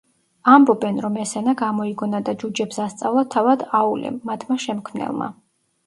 ამბობენ, რომ ეს ენა გამოიგონა და ჯუჯებს ასწავლა თავად აულემ, მათმა შემქმნელმა.